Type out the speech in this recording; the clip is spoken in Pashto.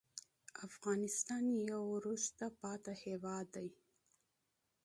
افغانستان یو وروسته پاتې هېواد دی.